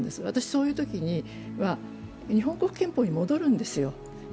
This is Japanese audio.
そういうときには、日本国憲法に戻るんですよ。